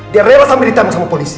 dia rela sambil ditangkap sama polisi